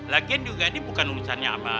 lagian juga ini bukan urusannya apa